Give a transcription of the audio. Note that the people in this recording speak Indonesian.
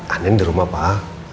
andien di rumah pak